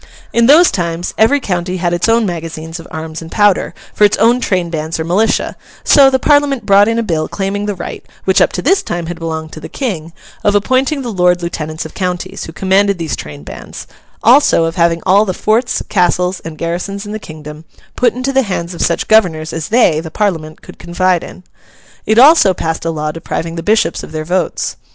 In those times, every county had its own magazines of arms and powder, for its own train bands or militia; so, the Parliament brought in a bill claiming the right (which up to this time had belonged to the King) of appointing the Lord Lieutenants of counties, who commanded these train bands; also, of having all the forts, castles, and garrisons in the kingdom, put into the hands of such governors as they, the Parliament, could confide in. It also passed a law depriving the Bishops of their votes.